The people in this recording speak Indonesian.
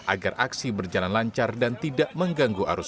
agar aksi berjalan lancar dan tidak mengganggu arus